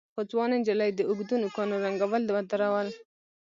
خو ځوانې نجلۍ د اوږدو نوکانو رنګول ودرول.